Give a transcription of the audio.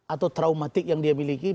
atau traumatik yang dia miliki